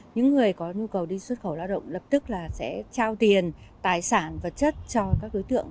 những người có nhu cầu đi xuất khẩu lao động lập tức là sẽ trao tiền tài sản vật chất cho các đối tượng